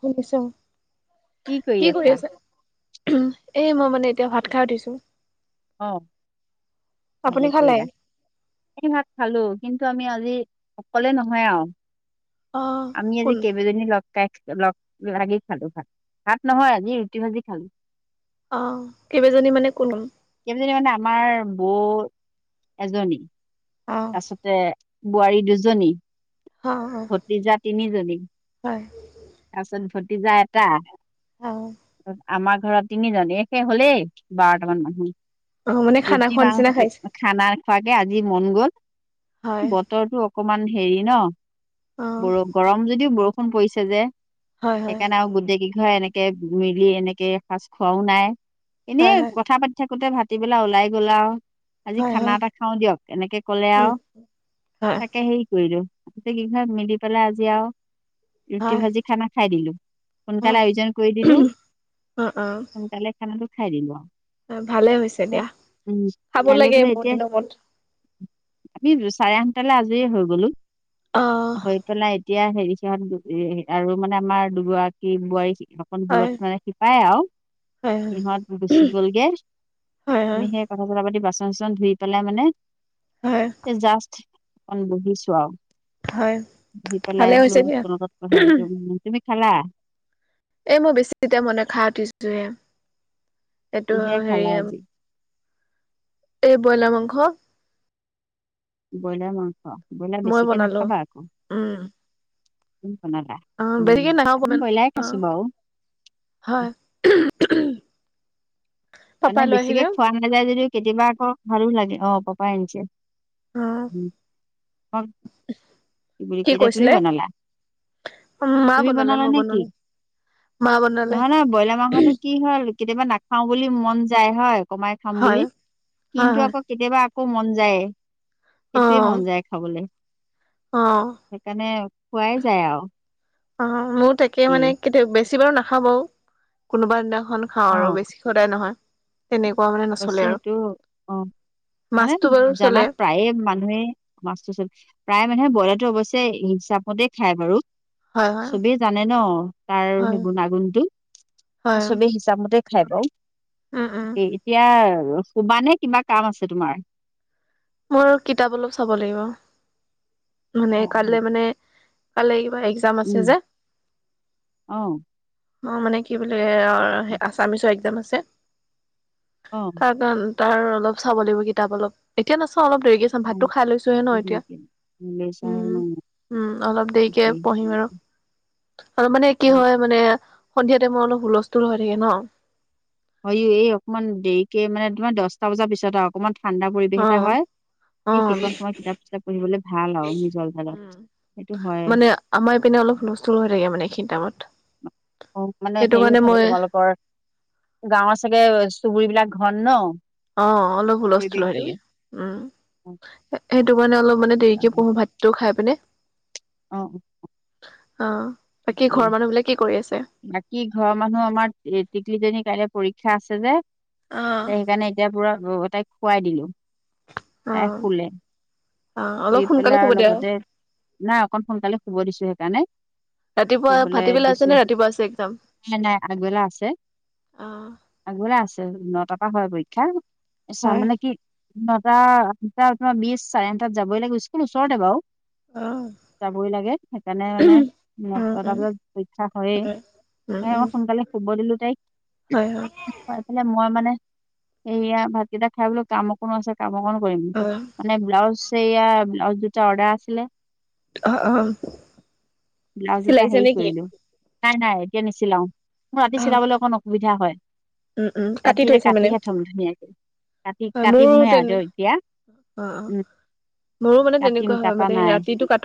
শুনিছ' কি কৰি আছা? এই মই মানে এতিয়া ভাত খাই উঠিছো অ আপুনি ভালেই খালে? কৰিলা এই ভাত খালো, কিন্তু আমি আজি অকলে নহয় আও অঁ আমি আজি কোন কেইবাজনি লগ খাই লগ লাগি খালো ভাত ভাত নহয় আজি ৰুটি ভাজি খালো অ কেইবাজনী মানে কোন কোন কেইবাজনী মানে আমাৰ বৌ এজনী অঁ তাৰপিছতে বোৱাৰী দুজনী, অঁ অঁ ভতিজা তিনিজনী হয় তাছত ভতিজা এটা অঁ আমাৰ ঘৰত তিনিজনী এই সে হলেই বাৰটামান মানুহ অঁ মানে খানা ৰুটি খোৱা নিচিনা খাইছে। মাংস খানা খোৱাকে আজি মন গ'ল ব হয় বতৰটো অকমান হেৰি ন অ বৰ গৰম যদিও বৰষুণ পৰিছে যে হয় হয় সেইকাৰণে আৰু গোটেইকেইঘৰে এনেকে মিলি এনেকে এখাজ খোৱাও নাই হয় হয় এনেই কথা পাতি থাকোতে ভাতিবেলা ওলাই গ'লা আৱ আজি হয় খানা হয় এটা খাও দিয়ক এনেকে কলে উম আৱ হয় তাকে হেৰি কৰিলোঁ গোতেই কেইঘৰে মিলি পেলাই আজি আৱ ৰুটি হয় ভাজি খানা খাই দিলো সোনকালে হয়। আয়োজন কৰি দিলো, অঁ অঁ সোনকালে খানাটো খাই দিলোঁ আৱ ভালে হৈছে পিছত দিয়া উম খাব খাই লৈ লাগে পেলাই বহুত এতিয়াই দিনৰ মূৰত। আমি চাৰে আঠটালৈ আজৰিয়ে হৈ গলো অঁ হৈ পেলাই এতিয়া হেৰি সিহঁত আৰু মানে আমাৰ দুগৰাকী বোৱাৰী অকণ হয় দূৰত মানে শিপাই আৱ হয় সিহঁত গুচি গ'লগে হয় আমি হয় সেই কথা-চথা পাতি বাচন চাচন ধুই পেলাই মানে হয় জাষ্ট অকণ বহিছো আও হয় বহি পেলাই ভালে হৈছে দিয়া। বোলো লগত পাতো তুমি খালা? এই মই বেছি এতিয়া মনে খাই উঠিছোহে এইটো কিহে হেৰি খালা আজি এই ব্ৰইলাৰ মাংস ব্ৰইলাৰ মাংস। ব্ৰইলাৰ মই বেছিকে বনালো নাখাবা আকৌ উম কোন বনালা? অ উম বেছিকে নাখাওঁ আমি অকমান ব্ৰইলাৰে অ খাইছো বাৰু হয় মানে পাপাই লৈ বেছিকে আহিলে খোৱা নাযায়, যদিও কেতিয়াবা আকৌ ভালো লাগে। অ, পাপা আনিছে। উম। তোমাক উম। বুলি কি কয় এতিয়া তুমি কৈছিলে? বনালা মা তুমি বনালে বনালা মই নে কি বনুৱানাই। নহয়- নহয় ব্ৰইলাৰ মাংসটো কি? কি হয়, কেতিয়াবা নাখাও বুলি মন যায় হয়। কমাই খাম হয় বুলি হয় কিন্তু হয় আকৌ কেতিয়াবা আকৌ মন যায়। অ সেইটোৱে মন যায় খাবলৈ। অ, সেইকাৰণে খোৱাই যায় আৰু অ মোৰ তাকে কি মানে কেতিয়া বেছি বেছি বাৰু নাখাওঁ বাৰু। কোনোবা দিনাখন খাওঁ অ আৰু। বেছি সদায় নহয়, তেনেকুৱা মানে। হৈছে নচলে আৰু সেইটো। অ, মানে মাছটো বাৰু চলে জানাত প্ৰায়ে মান এনে মাছটো চব প্ৰায় মানুহে ব্ৰইলাৰটো অৱশ্য হিচাপতেই খায় বাৰু। হয় হয় চবেই জানে ন। তাৰ হয় সেই গুণাগুণটো। হয় চবেই হিচাপ হিচাবমতে খাই বাৰু। উম উম এতিয়া শুবা নে কিবা কাম আছে তোমাৰ? মোৰ কিতাপ অলপ চাব লাগিব। মানে অ অ কাইলৈ মানে [unintelligible] উম, যে আহ। অ, মানে কি বোলি, আছামিচৰ এক্সাম আছে। অ। তাৰ তাৰ অলপ চাব লাগিব, কিতাপ অলপ। এতিয়া নাচাওঁ অলপ দেৰিকে। অ ভাতটো খাই লৈছোহে ন দিয়ে এতিয়া। দিয়ে। লৈছা আৰু ন? উম- উম, অলপ দেৰিকে ঠিকেই। পঢ়িম আৰু। তাৰমানে কি হয় মানে, সন্ধিয়া টাইমত অলপ হুলস্থুল হৈ থাকে ন। হয়, এই অকনমান দেৰিকে মানে তোমাৰ দহটা বজাৰ পিছত আৰু অকমান ঠাণ্ডা পৰিৱেশ অ এটা হয়। অ সেই সেইখণ সময়ত কিতাপ- চিতাপ পঢ়িবলৈ ভাল আৰু। নিজৰ উম ভাগত সেইটো হয়। মানে আমাৰ পিনে অলপ হুলস্থল হৈ থাকে মানে, এইখিনি টাইমত। মানে সেইটো হেৰি কাৰণে চাগে, মই তোমালোকৰ গাঁৱৰ চাগে চুবুৰীবিলাক ঘন ন। অ, অলপ হুলস্থুল হৈ পৰিৱেশটো থাকে। উম, অ সেইটো কাৰণে অলপ মানে দেৰিকে সেইকাৰণে। পঢ়ো। ভাত ভাততো খাই পিনে। অ, অ, অ, বাকী ঠিকেই ঘৰৰ মানুহবিলাক কি কৰি আছে? বাকী ঘৰৰ মানুহ আমাৰ টিকলিজনী কাইলৈ পৰীক্ষা আছে যে। তাই অ সেইকাৰণে এতিয়া পুৰা তাইক শুৱাই দিলো, অ তাই শুলে। অ শুই অলপ সোনকালে পেলাই শুব আৰু দিয়া লগতে, নাই অকণ সোনকালে শুব দিছো সেইকাৰণে। ৰাতিপুৱা, শুবলৈ ভাতিবেলা দিছো আছে নে ৰাতিপুৱা আছে এক্সাম? নাই- নাই আগবেলা আছে। আগবেলা আছে, নটা পৰা হয় পৰী ক্ষা। হয় মানে কি নটা, আঠটা তোমাৰ বিশ চাৰে আঠটা যাবই লাগিব, স্কুল ওচৰতে বাৰু। অ। যাবই লাগে। সেইকাৰণে মানে উম ন'টা উম বজাত পৰীক্ষা হয়েই। হয় এ অ, সোনকালে শুব দিলো তাইক। হয়-হয়। হয়, এইফালে মই মানে, সেয়া ভাতকেইটা খাই বোলো, কাম অকণনো আছে। কামঅকণ নো কৰিম। অ মানে ব্লাউজ সেইয়া ব্লাউজ দুটা অৰ্ডাৰ আছিলে। অ অ ব্লাউজ দুটা চিলাইছে হেৰি নে কি কৰিলো। নাই- নাই এতিয়া নিচিলাও। মোৰ ৰাতি অ চিলাবলৈ অকণ অসুবিধা হয়। উম- উম, ৰাতি কাটি এতিয়া থৈছ মানে? কাটিহে থ'ম ধুনীয়াকে কাটি হয় মোৰ কাটিমহে আৰু তেনে এতিয়া অ, উম মোৰো মানে কাটিম তেনেকুৱা হয়। কাটা মানে নাই ৰাতিটো কা,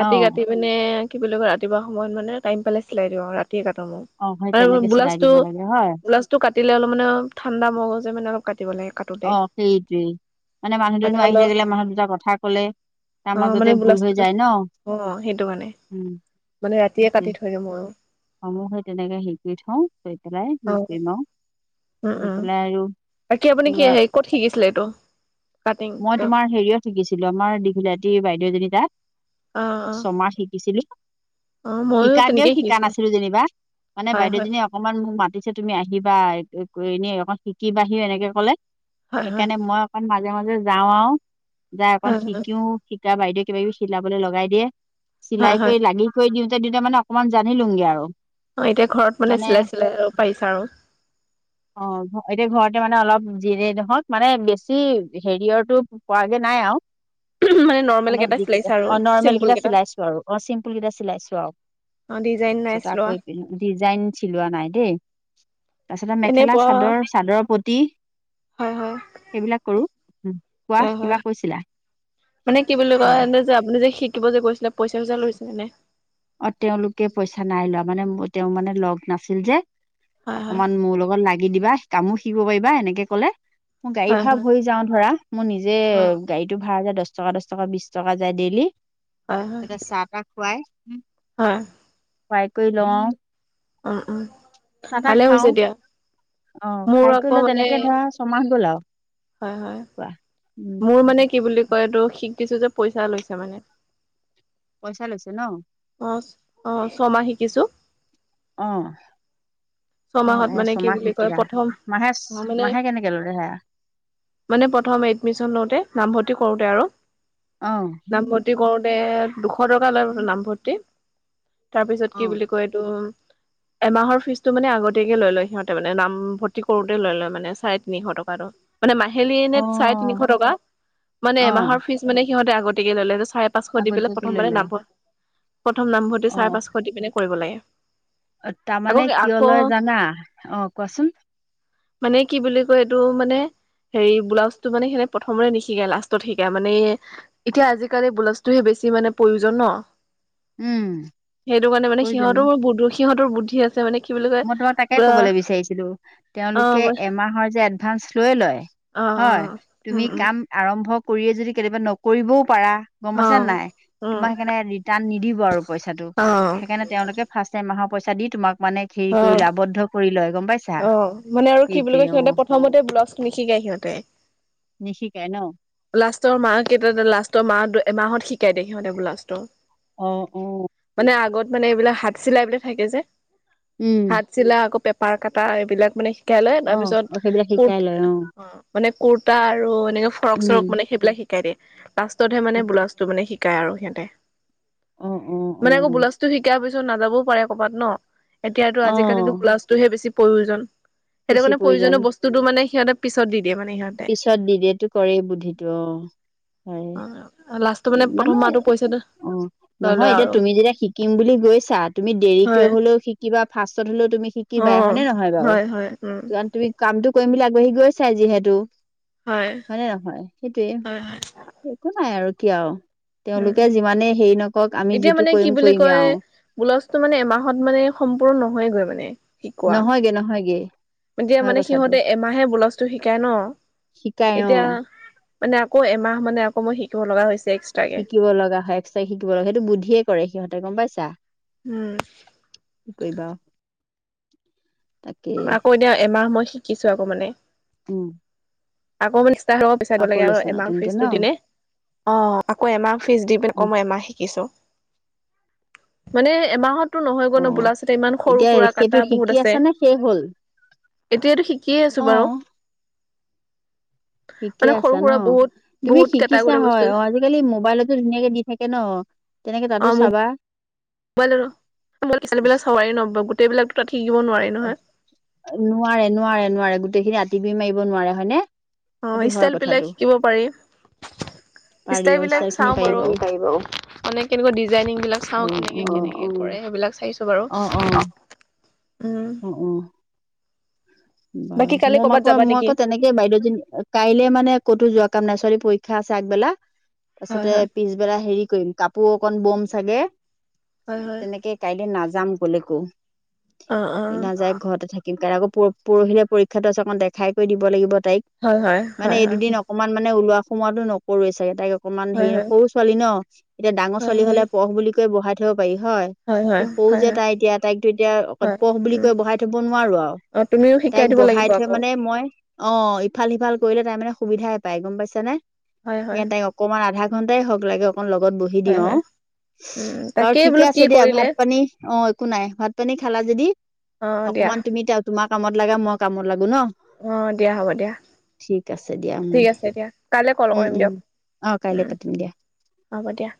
ৰাতি অ কাটি মানে কি বুলি কয়, ৰাতিপুৱা সময়ত মানে টাইম পালে চিলাই দিওঁ। ৰাতিয়ে কটো মই। অ সেই মানে তেনেকে চিলাই ব্লাউজটো দিব লাগে হয়। ব্লাউজটো কাটিলে অলপ মানে ঠাণ্ডা মগজে মানে অলপ কাটিব লাগে। কাটোতে অ সেইটোৱেই। মানে মানুহ দুনোহ আহি থাকিলে মানুহ দুটা কথা ক'লে। তাৰ অ মানে মাজতে ভুল ব্লাউজটো হৈ যায় ন? অ', সেইটো কাৰণে। উম। মানে ৰাতিয়ে সেইটোৱে কাটি থৈ দি মই আৰু। সেই তেনেকে শিকি থওঁ। গৈ পেলাই অ', শিকিমও গৈ পেলাই আৰু। বাকি আপুনি কি এয়া ক'ত শিকিছিলে এইটো কাটিং টো? শিকিছিলোঁ আমাৰ দীঘলাতিৰ বাইদেউজনী তাত অ', অ', ছমাহ শিকিছিলোঁ। অ', ময়ো শিকাকেও তেনেকেই শিকা শিকিছোঁ। নাছিলোঁ যেনিবা মানে হয়, হয়, বাইদেউজনী। অকমান মোক মাতিছে তুমি আহিবা এনেই অক শিকিবাহিও এনেকে ক'লে। হয়, হয়, সেইকাৰণে মই অকণ মাজে মাজে যাওঁ আৰু যাই অকণ হয়, হয়, শিকোও।। তেতিয়া বাইদেউৱে কিবাকিবি চিলাবলৈ লগাই দিয়ে হয়, চিলাই হয়। কৰি লাগি। থৈ দিওঁতে দিওঁতে মানে অকনমান জানিলোগে আৰু। অ এতিয়া ঘৰত মানে চিলাই, চিলাই পাৰিছা আৰু। অ এতিয়া ঘৰতে মানে অলপ যিয়ে নহক মানে বেছি হেৰিয়ৰটো পোৱাগে নাই আৰু। নৰ্মেল মানে কেইটা চিলাইছা যিকেইটা আৰু অ নৰ্মেল চিম্পুল কেইটা চিলাইছো আৰু অ চিম্পুল কেইটা চিলাইছো আৰু। অ ডিজাইন তাৰপিছত আকৌ নাইছিলোৱা। ডিজাইন চিলোৱা নাই দেই, তাৰপিছতে এনেই মেখেলা পোৱা চাদৰ। চাদৰ পতি হয়, হয়, সেইবিলাক কৰো, কোৱা হয়, হয়। কিবা কৈছিলা। মানে কি বুলি কয় হয় এনে যে আপুনি যে শিকিব যে গৈছিলে পইচা চইচা লৈছিলে। অ তেওঁলোকে পইচা নাই লোৱা মানে তেওঁ মানে লগ নাছিল যে। হয়, হয়, অকমান মোৰ লগত লাগি দিবা, কামো শিকিব পাৰিবা এনেকে ক'লে। গাড়ী হয়, ভাড়া হয়, ভৰি যাওঁ ধৰা, মোৰ নিজে। অ', গাড়ীটো ভাড়া যে দহ টকা দহ টকা বিশ টকা যায় ডেইলি হয়, হয়, তাতে চাহ তাহ খুৱাই। হয়। বাইক কৰি লওঁ। উ উম। চাহ তাহ ভালে খাও, হৈছে দিয়া। অ' মোৰ খাই আকৌ কৰিলে মানে তেনেকে ধৰা ছমাহ গ'ল আৰু। হয়', হয়। কোৱা উম। মোৰ মানে কি বুলি কয় এইটো শিকিছোঁ যে পইচা লৈছে মানে। পইচা লৈছে ন। অ অ ছমাহ শিকিছোঁ। অ। অ অ ছমাহত মানে কি ছমাহ বুলি কয় শিকালা প্ৰথম মাহে মানে মাহে কেনেকে ল'লে হেয়া। মানে প্ৰথম এডমিচন লওঁতে নামভৰ্তি কৰোতে আৰু। অ। নামভৰ্তি কৰোতে দুশ টকা লয় নামভৰ্তি। তাৰপিছত অ কি বুলি কয় এইটো এমাহৰ ফিচ। টো মানে আগতীয়াকে লৈ লয় সিহঁতে মানে নাম ভৰ্তি কৰোতে লৈ লয় মানে চাৰে তিনিশ টকাটো। মানে মাহিলী এনে অ চাৰে তিনিশ টকা মানে অ এমাহৰ ফিজ মানে সিহঁতে আগতকে ললে চাৰে। পাঁচশ দি পেলাই আগতীয়াকে লৈ প্ৰথমবাৰে লয় নামভৰ। প্ৰথম নামভৰ্তি অ চাৰে পাঁচশ দি পিনে কৰিব লাগে আকৌ। তলয় জানা অ কোৱাচোন। মানে কি বুলি কয় এইটো মানে। হেৰি ব্লাউজ টো মানে সিহতে প্ৰথমতে নিশিকায় লাষ্টত শিকায় মানে। এতিয়া আজিকালি বোলাচটোহে বেছি মানে প্ৰয়োজন ন। উম সেইটো কাৰণে মানে প্ৰয়োজনী সিহঁতৰ বু সিহঁতৰ বুদ্ধি আছে মানে। কি বুলি কয় মই তোমাক তাকে কবলৈ বিচাৰিছিলো অ অ তেওঁলোকে এমাহৰ যে এডভাস লৈ লয়। অ হয় তুমি উম উম কাম আৰম্ভ কৰিয়ে যদি কেতিয়াবা নকৰিবও পাৰা। গম অ পাইছে নাই উম তোমাক সেইকাৰণে ৰিটাৰ্ণ নিদিব আৰু পইচাটো অ সেইকাৰণে। তেওঁলোকে ফাৰ্ষ্ট টাইম মৰইচা দি তোমাক মানে হেৰি অ কৰি লয় আৱদ্ধ কৰি লয় গম পাইছ। অ মানে আৰু কি বুলি কয় সিহঁতে প্ৰথমতে ব্লাউজ নিশিকায় সিহঁতে। নিশিকায় ন। লাষ্টৰ মা কেইটা লাষ্টৰ মাহ মাহত শিকাই দে সিহঁতে লাষ্টৰ। অ অ। মানে আগত মানে এইবিলাক হাত চিলাইবিলাক থাকে যে। উম। হাত চিলা আকৌ পেপাৰ কাটা এইবিলাক মানে শিকাই লয় অ তাৰপিছত অ সেইবিলাক কুৰ্ট শিকাই লয় অ। মানে কুৰ্তা আৰু এনেকে ফৰক চৰক উম মানে সেইবিলাক শিকাই দিয়ে লাষ্টতহে মানে বোলা। টো মানে শিকাই আৰু সিহঁতে অ অ অ মানে আকৌ গোলাচটো শিকাই পি। টো নাযাবও পাৰে কবাত ন এতিয়াতো অ আজিকালিতো গ্লাছটোহে বেছি প্ৰয়োজন। সেইটো বেছি কাৰণে প্ৰয়োজন প্ৰয়োজনীয় বস্তুটো মানে সিহঁতে পিছত দি দিয়ে মানে সি। পিছত দিয়ে এইটো কৰেই বুদ্ধিটো অ হয়। টো মানে প্ৰথম মাহটো পইচে না। অ নহয় এতিয়া তুমি যেতিয়া শিকিম বুলি গৈছা তুমি দেৰিকে হয় হ'লেও শিকা ফাৰ্ষ্টত হ'লেও তুমি শি। কি অ বাই হয়নে নহয় বাৰু হয় হয় উম তুমি কামটো কৰিম বুলি আগবাঢ়ি গৈছা যিহেতু। হয় হয়নে নহয় সেইটোৱে। হয় হয় একো নাই আৰু কিয় আৰু উম উম তেওঁলোকে যিমানে হেৰি নকক আমি যিটো কৰিম কৰিমেই আও। বোলাউছটো মানে এমাহত মানে সম্পূৰ্ণ নহয়েগৈ মানে। শিকোৱা নহয়গে নহয় গে। এতিয়া মানে সিহঁতে এমাহে বোলাউছটো শিকায় ন শিকাই অ এতিয়া। মানে আকৌ এমাহ মানে আকৌ মই শিকিব লগা হৈছে এক্স। শিকিব লগা হয় এক্সট্ৰ শিকিব লগা সেইটো বুদ্ধিয়ে কৰে সিহঁতে গম পাইছা। উম। কৈয়বা আউ। আকৌ এতিয়া এমাহ মই শিকিছো আকৌ মানে। উম। আকৌ ম নি্সষ্টাৰ হ'ব পিচাৰাব আকৌ লাগে আৰু লৈছা এমাট নতুনকে ন ফিজটো দিনে। অ আকৌ এমাহ ফিজ দি পেলে অ আকৌ মই এমাহ শিকিছোঁ। মানে এমাহতো নহয় গল অ ন বোলাচতে ইমান সৰু এতিয়া সুৰা সেইটো কাটা শিকি বহুত আছে। আছা নে শেষ হ'ল এতিয়াতো শিকিয়ে অ আছো বাৰু। শিকে মানে সৰু আছা ন সুৰা বহুত তুমি বহুত কেইটা শিকিছা বস্তু হয় অ আজিকালি মোবাইলতো ধুনীয়াকে দি থাকে ন। তেনেকে তাতো চাবা। মোবাই ন ম ছোৱালী বিলাক চাৰি নব গোটেই বিলাকতো তাত শিকিব নোৱাৰি নহয়। নোৱাৰে নোৱাৰে নোৱাৰে গোটেইখিনি আতি গোৰি মাৰিব নোৱাৰে হয়নে। অ সেইটো হয় ষ্টাইল বিলাক কথাটো শিকিব পাৰি পাৰি ষ্টাইল অ ইচ্ছা বিলাক খিনি চাও পাৰিব বাৰু। অ মানে কেনেকুৱা ডিজাইনিং বিলাক চাওঁ অ কেনেকে কেনেকে কৰে এইবিলাক চাইছো বাৰু। অ অ। উম। উম' উম' বাৰু বাকী কালি মোৰ ম কৰ'বাত আকৌ যাবা মই নেকি? আকৌ তেনেক- কে বাইদেউজনী কাইলে মানে ক'তো যোৱা কাম নাই ছোৱালী পৰীক্ষা আছে আগবেলা হয় তাৰপিছতে হয় পিছ- বেলা হেৰি কৰিম কাপোৰ অকন বম চাগে, হয় হয় তেনেকে- কাইলে নাযাম কলেকো। অ অ নাযায় ঘৰতে থাকিম কাইলে আকৌ প- পৰহিলে পৰীক্ষাটো আছে অকণ দেখাই কৰি দিব লাগিব তাইক। হয় মানে হয় হয় এই দুদিন হয় অ- অকমান মানে ওলোৱা সোমোৱাত নকৰোঁ চাগে, তাই- অকমান হয় হেৰি হয় ন সৰু ছোৱালী ন, এতিয়া ডাঙৰ হয় ছোৱালী হলে পহ বুলি কৈ বহাই থব পাৰি হয়। হয় এ সৰু হয় হয় যে তাই এতিয়া তাইকটো এতিয়া অ হয় পহ বুলি উম কৈ বহাই থব নোৱাৰো আও। অ তুমিও সে- তাইক বহাই থৈ মানে মই- অঁ' ইফাল সিফাল কৰিলে তাই মানে সুবিধাই পাই গম পাইছ নে? হয় হয় সেইকানে তাইক- অকমান আধা ঘণ্টাই হওক লাগে অকন লগ বহ- হি হয় দিওঁ আঁও। হয় উম বাৰু তাকেই ঠিকে বোলো কি আছে দিয়া ভাত কৰিলে পানী- অঁ' একো নাই, ভাত পানী খালা যদি অ দিয়া অকমান তুমি তোমাৰ কামত লাগা মই কামত লাগো ন। অঁ' দিয়া হ'ব দিয়া। ঠিক আছে দিয়া উম ঠিক আছে দিয়া, কাইলে কল উম কৰিম উম দিয়ক। অ কাইলে উম' পাতিম দিয়া হ'ব দিয়া।